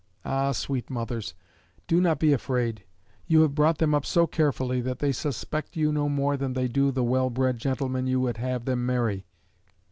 Ah, sweet mothers! do not be afraid. You have brought them up so carefully, that they suspect you no more than they do the well bred gentlemen you would have them marry.